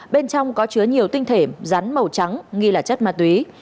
bên trong có chứa nhiều tinh thể rắn màu trắng nghi là chất ma túy